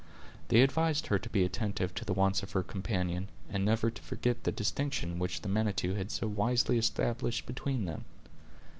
They advised her to be attentive to the wants of her companion, and never to forget the distinction which the Manitou had so wisely established between them.